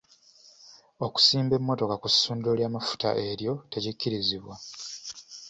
Okusimba emmotoka ku ssundiro ly'amafuta eryo tekikkirizibwa.